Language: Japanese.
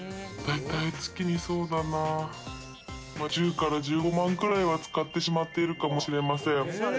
だいたい月に、そうだな、１０１５万くらいは使ってしまっているかもしれません。